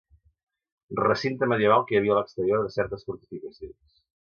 Recinte medieval que hi havia a l'exterior de certes fortificacions.